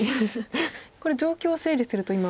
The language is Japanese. これ状況を整理すると今。